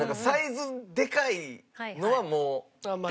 サイズでかいのはもう。